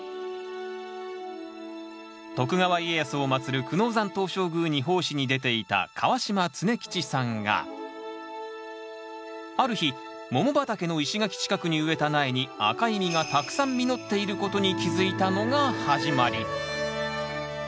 徳川家康を祭る久能山東照宮に奉仕に出ていた川島常吉さんがある日桃畑の石垣近くに植えた苗に赤い実がたくさん実っていることに気付いたのが始まり。